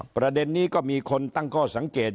ประเด็นนี้ก็มีคนตั้งข้อสังเกต